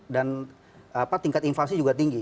dan tingkat inflasi juga tinggi